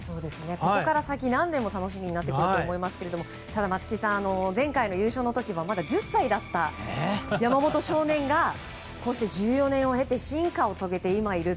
ここから先何年も楽しみですがただ、松木さん前回の優勝の時もまだ１０歳だった山本少年が１４年を経て進化を遂げて、今いる。